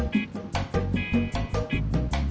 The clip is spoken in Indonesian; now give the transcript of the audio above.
masih belum habis